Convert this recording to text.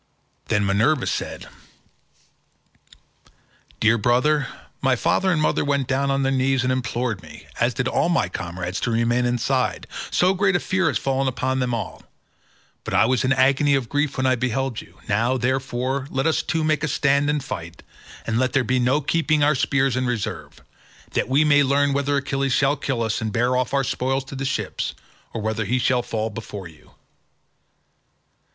Then Minerva said, "Dear brother, my father and mother went down on their knees and implored me, as did all my comrades, to remain inside, so great a fear has fallen upon them all; but I was in an agony of grief when I beheld you; now, therefore, let us two make a stand and fight, and let there be no keeping our spears in reserve, that we may learn whether Achilles shall kill us and bear off our spoils to the ships, or whether he shall fall before you."